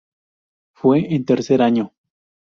Fue en tercer año.